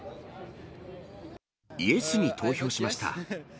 イエスに投票しました。